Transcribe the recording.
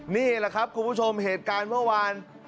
นี่แหละครับคุณผู้ชมเหตุการณ์เมื่อวาน